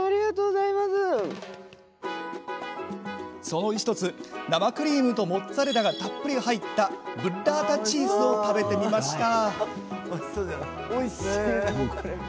その１つ、生クリームとモッツァレラがたっぷり入ったブッラータチーズを食べてみました。